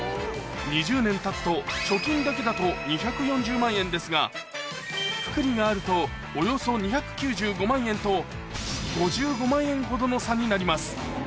２０年たつと貯金だけだと２４０万円ですが複利があるとおよそ２９５万円と５５万円ほどの差になります